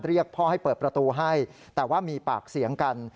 เรียกพ่อให้เปิดประตูให้แต่ว่ามีปากเสียงกัน